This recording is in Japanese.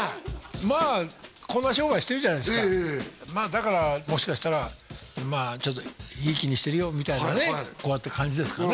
まあこんな商売してるじゃないですかまあだからもしかしたらまあちょっとひいきにしてるよみたいなねこうやって感じですかね